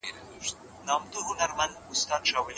ایا مسلکي بڼوال چارمغز پلوري؟